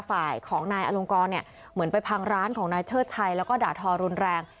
ฝ่ายของนายอลงกรเนี่ยเหมือนไปพังร้านของนายเชิดชัยแล้วก็ด่าทอรุนแรง